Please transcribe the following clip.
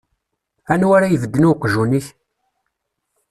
Anwa ara ibedden i uqjun-ik?